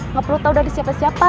ngeperlu tau dari siapa siapa